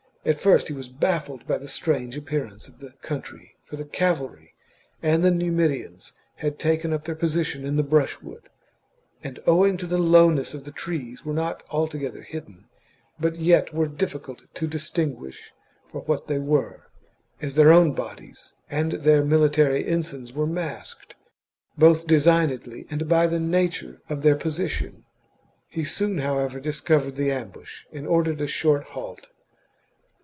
At first he was baffled by the strange appearance of the country, for the cavalry and the Numidians had taken up their position in the brushwood, and owing to the lowness of the trees were not altogether hidden, but yet were difficult to distinguish for what they were, as their own bodies and their military ensigns were masked, both designedly and by the nature of their position. He soon, however, discovered the am bush, and ordered a short halt.